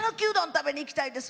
食べに行きたいです。